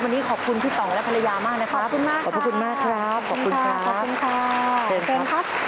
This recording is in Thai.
วันนี้ก็ไม่ได้